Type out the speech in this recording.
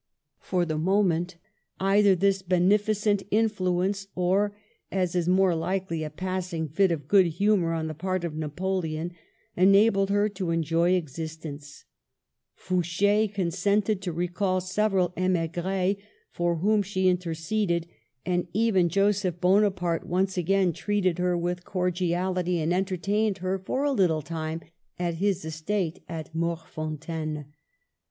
For the moment, either this beneficent influence, or, as is more likely, a passing fit of good humor on the part of Napoleon, enabled her to enjoy existence. Fouch6 consented to recall several imigrts for whom she interceded, and even Joseph Bonaparte once again treated her with Digitized by VjOOQIC 106 MADAME DE STAEL cordiality, and entertained her for a little time at his estate at Morfontaine.